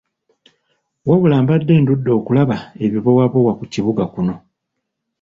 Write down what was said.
Wabula mbadde ndudde okulaba ebibowabowa ku kibuga kuno.